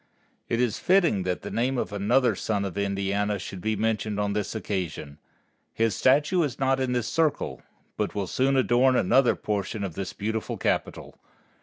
It is fitting that the name of another son of Indiana should be mentioned on this occasion. His statue is not in this Circle, but will soon adorn another portion of this beautiful capital.